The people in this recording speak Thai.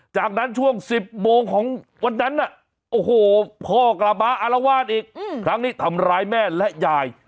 จากนั้นช่วง๑๐โมงของวันนั้นน่ะโอ้โหพ่อกลับมาอารวาสอีกครั้งนี้ทำร้ายแม่และยาย